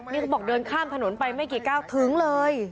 นี่เขาบอกเดินข้ามถนนไปไม่กี่ก้าวถึงเลย